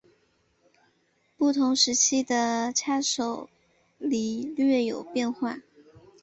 不同时期的叉手礼略有变化。